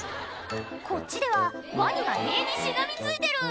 こっちではワニが塀にしがみついてる！